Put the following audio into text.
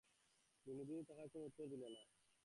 বিনোদিনী তাহার কোনো উত্তর দিল না।